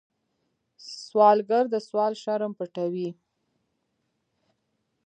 سوالګر د سوال شرم پټوي